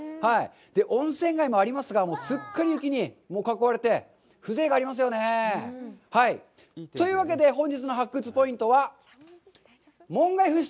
温泉街もありますが、すっかり雪に囲われて、風情がありますよね。というわけで、本日の発掘ポイントは、「門外不出！